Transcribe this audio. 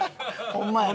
ホンマやな。